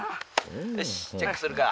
「よしチェックするか。